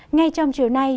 ngay trong chiều nay